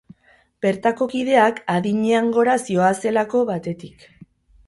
Bertako kideak adinean gora zihoazelako, batetik.